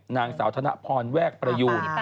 นางสาวธนพรแวกประยูน